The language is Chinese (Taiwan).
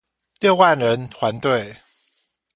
六萬人團隊